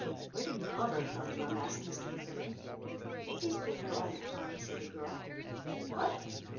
"Where did Glover come from?" asked Mr. Briggerland. "He's been here all the time," said the girl. "What?"